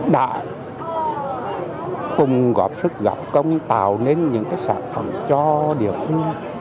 đã cùng góp sức góp công tạo nên những sản phẩm cho địa phương